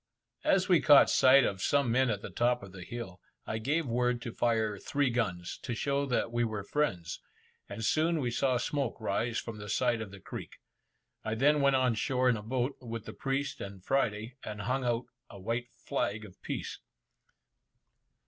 As we caught sight of some men at the top of the hill, I gave word to fire three guns, to show that we were friends, and soon we saw smoke rise from the side of the creek. I then went on shore in a boat, with the priest and Friday, and hung out a white flag of peace.